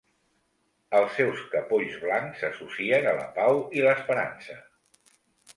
Els seus capolls blancs s'associen a la pau i l'esperança.